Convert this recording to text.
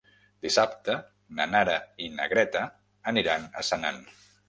Dissabte na Nara i na Greta aniran a Senan.